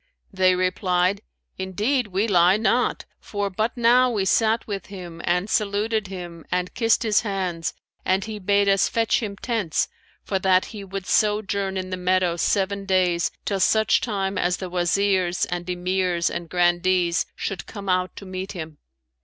They replied, 'Indeed we lie not, for but now we sat with him and saluted him and kissed his hands and he bade us fetch him tents, for that he would sojourn in the meadow seven days, till such time as the Wazirs and Emirs and Grandees should come out to meet him.'